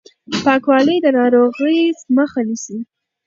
پاکوالی د ناروغۍ مخه نيسي.